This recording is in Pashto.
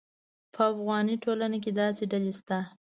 په افغاني ټولنه کې داسې ډلې شته.